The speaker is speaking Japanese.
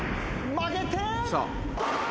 曲げて。